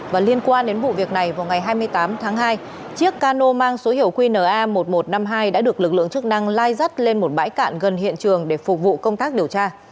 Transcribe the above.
và liên quan đến vụ việc này vào ngày hai mươi tám tháng hai chiếc cano mang số hiệu qna một nghìn một trăm năm mươi hai đã được lực lượng chức năng lai dắt lên một bãi cạn gần hiện trường để phục vụ công tác điều tra